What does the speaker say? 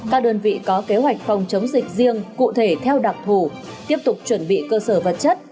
các đơn vị có kế hoạch phòng chống dịch riêng cụ thể theo đặc thù tiếp tục chuẩn bị cơ sở vật chất